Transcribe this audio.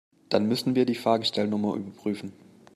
Dann müssen wir die Fahrgestellnummer überprüfen.